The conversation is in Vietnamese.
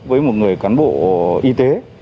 với một người cán bộ y tế